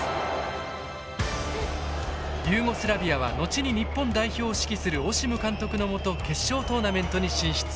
ユーゴスラビアは後に日本代表を指揮するオシム監督のもと決勝トーナメントに進出。